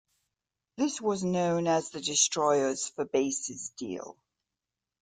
This was known as the destroyers for bases deal.